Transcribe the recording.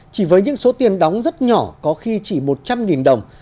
chỉ với những số tiền đóng rất nhỏ có khi chỉ một trăm linh đồng